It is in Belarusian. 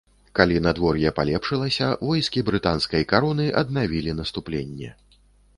Калі надвор'е палепшылася, войскі брытанскай кароны аднавілі наступленне.